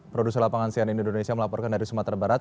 produser lapangan sian indonesia melaporkan dari sumatera barat